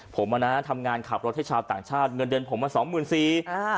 ผมอ่ะนะทำงานขับรถให้ชาวต่างชาติเงินเดือนผมมาสองหมื่นสี่อ่า